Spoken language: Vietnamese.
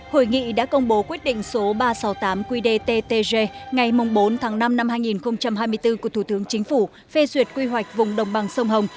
hội nghị đã công bố quyết định số ba trăm sáu mươi tám qdttg ngày bốn tháng năm năm hai nghìn hai mươi bốn của thủ tướng chính phủ phê duyệt quy hoạch vùng đồng bằng sông hồng